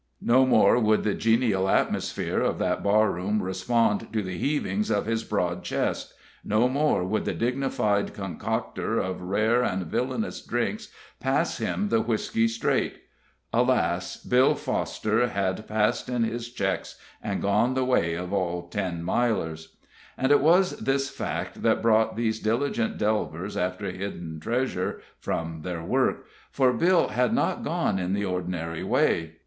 No more would the genial atmosphere of that barroom respond to the heavings of his broad chest, no more would the dignified concoctor of rare and villainous drinks pass him the whisky straight. Alas! Bill Foster had passed in his checks, and gone the way of all Ten Milers. And it was this fact that brought these diligent delvers after hidden treasure from their work, for Bill had not gone in the ordinary way.